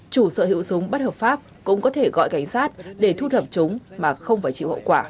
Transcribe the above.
chủ sở hữu súng bất hợp pháp cũng có thể gọi cảnh sát để thu thập chúng mà không phải chịu hậu quả